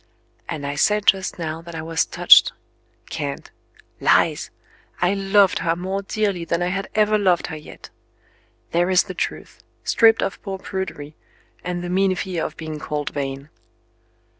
And I said just now that I was "touched." Cant! Lies! I loved her more dearly than I had ever loved her yet. There is the truth stripped of poor prudery, and the mean fear of being called Vain!